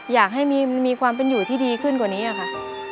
อยากให้มีความเป็นอยู่ที่ดีขึ้นกว่านี้ค่ะ